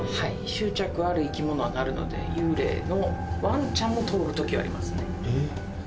執着ある生き物はなるので幽霊のワンちゃんも通るときありますね。